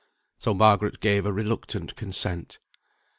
So Margaret gave a reluctant consent.